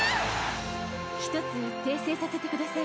ひとつ訂正させてください。